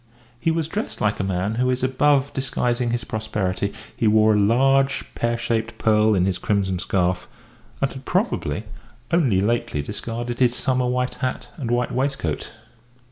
He was dressed like a man who is above disguising his prosperity; he wore a large, pear shaped pearl in his crimson scarf, and had probably only lately discarded his summer white hat and white waistcoat.